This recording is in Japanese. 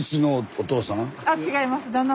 あ違います。